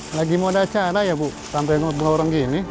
lagi mau ada acara ya bu sampai ngobrol orang gini